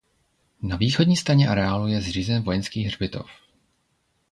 Na východní straně areálu je zřízen vojenský hřbitov.